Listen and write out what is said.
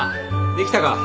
できたか？